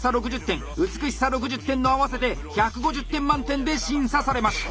６０点美しさ６０点の合わせて１５０点満点で審査されます。